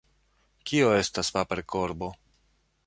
Kio estas paperkorbo?